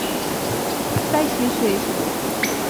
প্রায় শেষ হয়ে এসেছে।